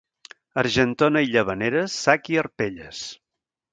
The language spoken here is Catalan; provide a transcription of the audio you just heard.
A Argentona i Llavaneres, sac i arpelles.